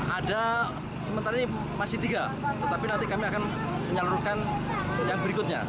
ada sementara ini masih tiga tetapi nanti kami akan menyalurkan yang berikutnya